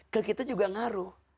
ke kita juga ngaruh